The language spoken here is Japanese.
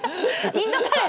インドカレー。